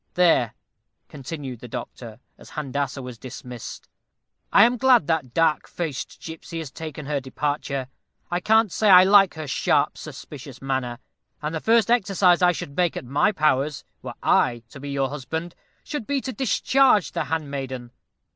There," continued the doctor, as Handassah was dismissed "I am glad that dark faced gipsy has taken her departure. I can't say I like her sharp suspicious manner, and the first exercise I should make at my powers, were I to be your husband, should be to discharge the handmaiden.